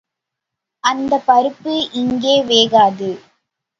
அந்தப் பருப்பு இங்கே வேகாது.